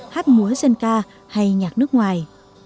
hát múa dân ca hay nhạc nước ngoài